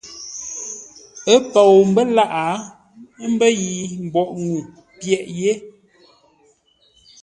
Ə́ pou mbə́ lâʼ ə́ mbə́ yi mboʼ ŋuu pyəghʼ yé.